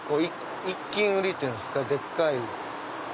１斤売りっていうんですかでっかい。